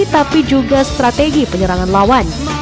tapi juga strategi penyerangan lawan